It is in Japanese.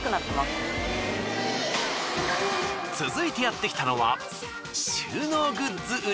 続いてやってきたのは。